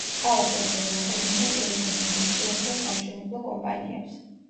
ქალაქი ასევე ეყრდნობა ტურიზმის ინდუსტრიასა და სამშენებლო კომპანიებს.